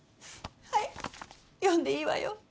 はい読んでいいわよ。